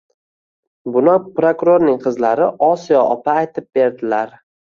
Buni prokurorning qizlari Osiyo opa aytib berdilar.